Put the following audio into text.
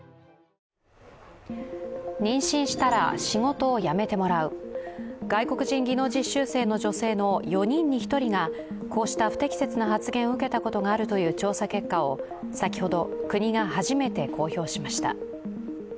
妊娠したら仕事を辞めてもらう、外国人技能実習生の女性の４人に１人がこうした不適切な発言を受けたことがあるという調査結果を先ほど国が初めて公表しました。